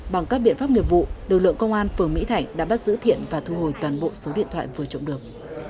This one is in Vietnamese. bằng các biện pháp nghiệp vụ lực lượng công an phường mỹ thảnh đã bắt giữ thiện và thu hồi toàn bộ số điện thoại vừa trộm được